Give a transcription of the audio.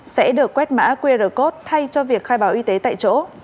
sẽ được quét mã qr code thay cho việc khai báo y tế tại chỗ